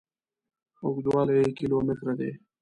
اوږدوالي یې کیلو متره دي.